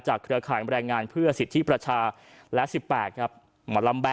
จากเครือข่ายแบรนด์งานเพื่อสิทธิประชาและสิบแปดครับ